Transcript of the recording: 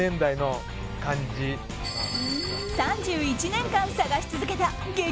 ３１年間探し続けた激